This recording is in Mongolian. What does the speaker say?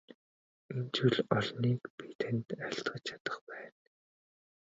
Ийм зүйл олныг би танд айлтгаж чадах байна.